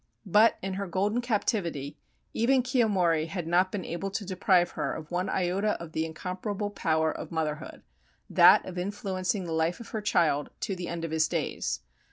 But in her golden captivity even Kiyomori had not been able to deprive her of one iota of the incomparable power of motherhood, that of influencing the life of her child to the end of his days.